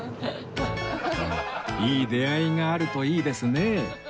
いい出会いがあるといいですね